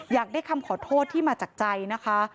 อยากได้คำขอโทษที่มาจากใจนะคะ